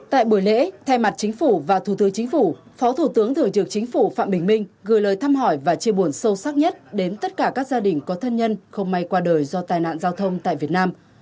tại buổi lễ thay mặt chính phủ và thủ tướng chính phủ phó thủ tướng thường trực chính phủ phạm bình minh gửi lời thăm hỏi và chia buồn sâu sắc nhất đến tất cả các gia đình có thân nhân không may qua đời do tai nạn giao thông tại việt nam